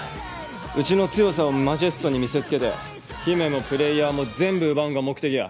うちの強さをＭＡＪＥＳＴに見せつけて姫もプレーヤーも全部奪うんが目的や。